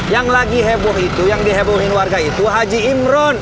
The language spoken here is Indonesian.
yang lagi heboh itu yang dihebohin warga itu haji imron